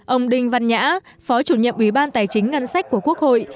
ông đinh văn nhã phó chủ nhiệm ủy ban tài chính ngân sách của quốc hội